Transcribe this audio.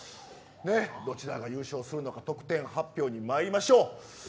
どちらが優勝するのか得点発表にまいりましょう。